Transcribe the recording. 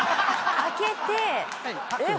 開けてえっ？